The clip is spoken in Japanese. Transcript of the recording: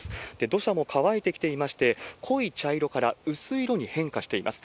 土砂も乾いてきていまして、濃い茶色から薄い色に変化しています。